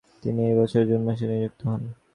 তিনি এই বছরের জুন মাসে নিযুক্ত হন।